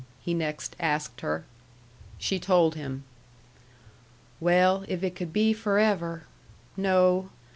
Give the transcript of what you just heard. he next asked her. She told him. "Well, if it could be forever no.